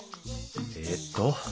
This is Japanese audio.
えっと